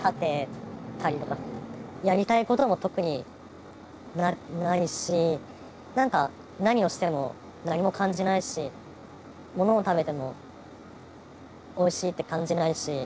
やりたいことも特にないし何か何をしても何も感じないし物を食べてもおいしいって感じないし。